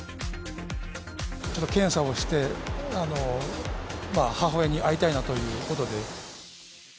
ちょっと検査をして、母親に会いたいなということで。